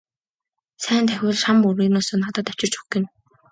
Сайн давхивал шан мөрийнөөсөө надад авчирч өгөх гэнэ.